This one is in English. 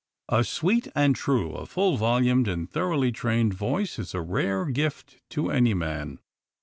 A sweet and true, a full volumed and thoroughly trained voice, is a rare gift to any man.